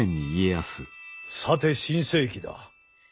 さて新世紀だ。